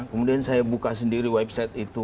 kemudian saya buka sendiri website itu